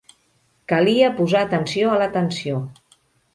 Calia posar atenció a la tensió.